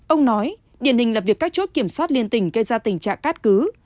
ông nói điển hình là việc các chốt kiểm soát liên tình gây ra tình trạng cát cứ